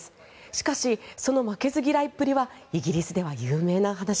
しかし、その負けず嫌いっぷりはイギリスでは有名な話。